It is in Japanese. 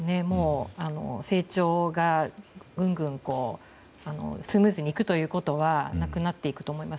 成長がぐんぐんスムーズにいくということはなくなっていくと思います。